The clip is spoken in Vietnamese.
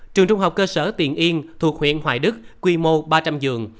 trường trung học cơ sở tiền yên thuộc huyện hoài đức quy mô ba trăm linh giường